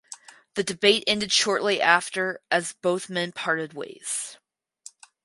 The debate ended shortly after as both men parted ways.